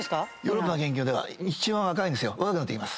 ヨーロッパの研究では一番若い。